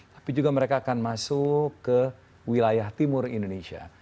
tapi juga mereka akan masuk ke wilayah timur indonesia